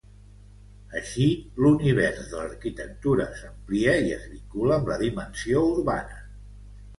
Així l'univers de l'arquitectura s'amplia i es vincula amb la dimensió urbana.